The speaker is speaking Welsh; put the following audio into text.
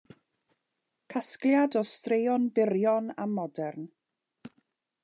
Casgliad o straeon byrion a modern.